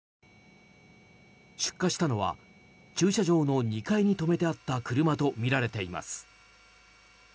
出火したのは駐車場の２階に止めてあった車とみられています。